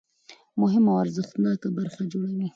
مهمه او ارزښتناکه برخه جوړوي.